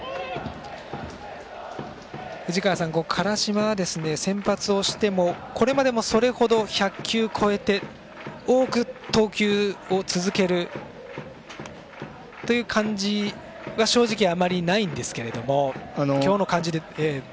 藤川さん、辛島は先発をしてもこれまでもそれほど１００球超えて多く投球を続けるという感じは正直、あまりないんですけれども今日の感じは。